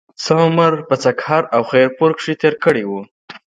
څۀ عمر پۀ سکهر او خېر پور کښې تير کړے وو